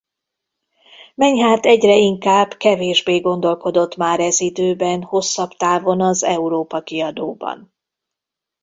Menyhárt egyre inkább kevésbé gondolkodott már ez időben hosszabb távon az Európa Kiadóban.